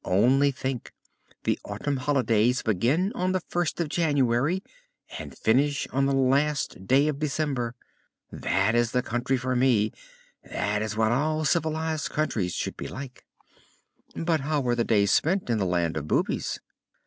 Only think, the autumn holidays begin on the first of January and finish on the last day of December. That is the country for me! That is what all civilized countries should be like!" "But how are the days spent in the 'Land of Boobies'?"